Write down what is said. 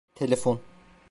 Telefon.